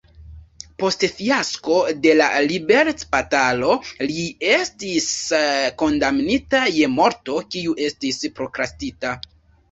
Post fiasko de la liberecbatalo li estis kondamnita je morto, kiu estis prokrastita.